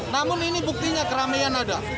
namun ini buktinya keramaian ada